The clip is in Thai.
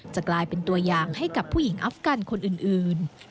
จะกลายเป็นตัวอย่างให้กับผู้หญิงอัฟกันคนอื่น